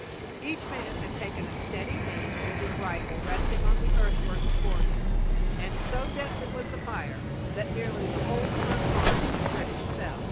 Each man had taken a steady aim with his rifle resting on the earthwork before him, and so deadly was the fire that nearly the whole front line of the British fell.